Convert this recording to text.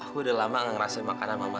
aku udah lama gak ngerasain makanan mama